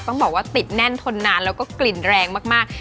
ต้องบอกว่าติดแน่นทนนานแล้วก็กลิ่นแรงมาก